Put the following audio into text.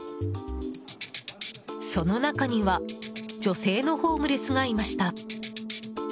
その中には女性のホームレスがいました。